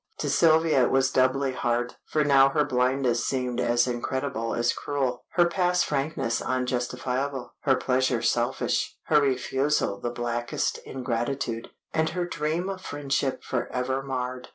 To Sylvia it was doubly hard, for now her blindness seemed as incredible as cruel; her past frankness unjustifiable; her pleasure selfish; her refusal the blackest ingratitude, and her dream of friendship forever marred.